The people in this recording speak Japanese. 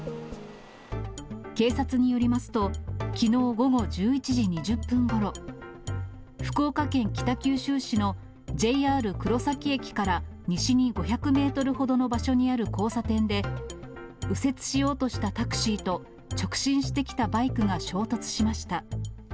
警察によりますと、きのう午後１１時２０分ごろ、福岡県北九州市のＪＲ黒崎駅から西に５００メートルほどの場所にある交差点で、右折しようとしたタクシーと、直進してきたバイクが衝突しました。